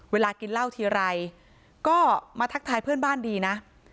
เวลากินเหล้าทีไรก็มาทักทายเพื่อนบ้านดีนะ